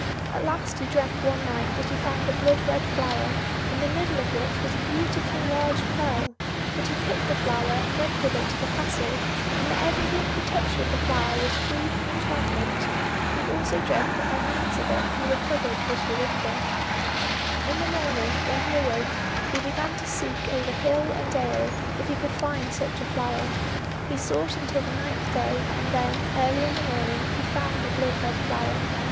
At last he dreamt one night that he found a blood red flower, in the middle of which was a beautiful large pearl; that he picked the flower and went with it to the castle, and that everything he touched with the flower was freed from enchantment; he also dreamt that by means of it he recovered his Jorinda. In the morning, when he awoke, he began to seek over hill and dale if he could find such a flower. He sought until the ninth day, and then, early in the morning, he found the blood red flower.